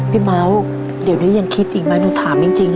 เม้าเดี๋ยวนี้ยังคิดอีกไหมหนูถามจริง